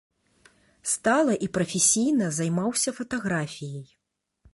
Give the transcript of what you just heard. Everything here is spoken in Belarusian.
Стала і прафесійна займаўся фатаграфіяй.